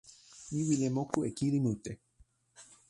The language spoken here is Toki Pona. mi wile moku e kili mute